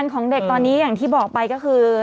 ของเด็กตอนนี้อย่างที่บอกไปก็คือ